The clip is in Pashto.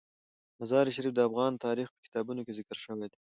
مزارشریف د افغان تاریخ په کتابونو کې ذکر شوی دي.